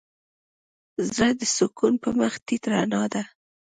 زړه د سکون په مخ تيت رڼا ده.